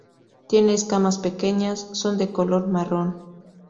Tiene escamas pequeñas, son de color marrón.